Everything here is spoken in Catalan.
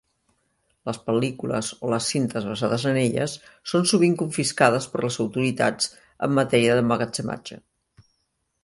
Les pel·lícules o les cintes basades en elles són sovint confiscades per les autoritats en matèria d'emmagatzematge.